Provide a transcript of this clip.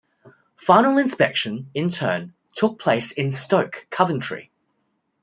Final inspection, in turn, took place in Stoke, Coventry.